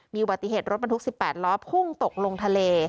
มีอุบัติเหตุรถบรรทุก๑๘ล้อพุ่งตกลงทะเล